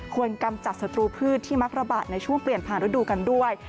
กำจัดศัตรูพืชที่มักระบาดในช่วงเปลี่ยนผ่านฤดูกันด้วย